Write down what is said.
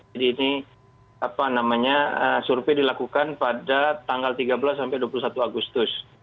jadi ini survei dilakukan pada tanggal tiga belas sampai dua puluh satu agustus